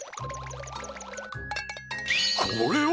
これは！